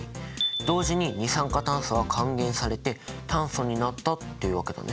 同時に二酸化炭素は還元されて炭素になったっていうわけだね。